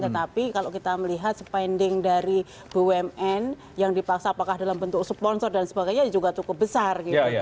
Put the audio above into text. tetapi kalau kita melihat spending dari bumn yang dipaksa apakah dalam bentuk sponsor dan sebagainya juga cukup besar